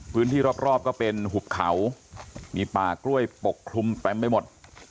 พื้นที่รอบก็เป็นหุบเขามีป่ากล้วยปกคลุมเต็มไปหมด